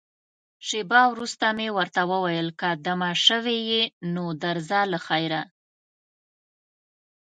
شېبه وروسته مې ورته وویل، که دمه شوې یې، نو درځه له خیره.